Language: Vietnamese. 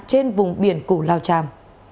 trên vùng biển củ lao tràm